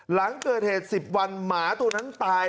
หลังเกิดเหตุ๑๐วันหมาตัวนั้นตาย